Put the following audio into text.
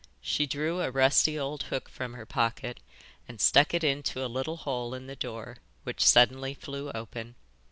She drew a rusty old hook from her pocket and stuck it into a little hole in the door, which suddenly flew open.